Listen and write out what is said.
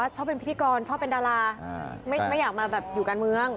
ชอบเป็นพิธีกรชอบเป็นดาราไม่อยากมาแบบอยู่การเมือง